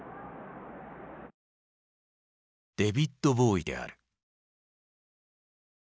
デヴィッド・ボウイである。